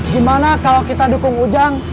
gimana kalau kita dukung ujang